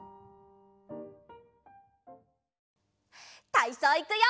たいそういくよ！